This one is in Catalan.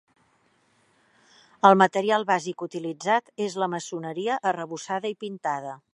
El material bàsic utilitzat és la maçoneria, arrebossada i pintada.